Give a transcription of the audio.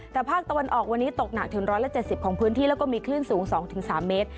แต่ภาคตะวันออกวันนี้ตกหนักถึง๑๗๐ของพื้นที่แล้วก็มีคลื่นสูง๒๓เมตร